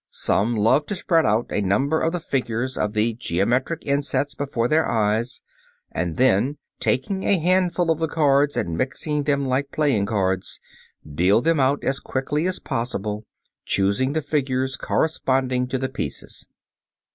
Some love to spread out a number of the figures of the geometric insets before their eyes, and then, taking a handful of the cards and mixing them like playing cards, deal them out as quickly as possible, choosing the figures corresponding to the pieces.